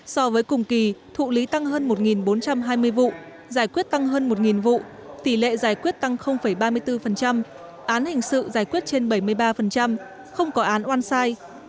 so với cùng kỳ thụ lý tăng hơn một bốn trăm hai mươi vụ giải quyết tăng hơn một vụ tỷ lệ giải quyết tăng ba mươi bốn án hình sự giải quyết trên bảy mươi ba không có án oan sai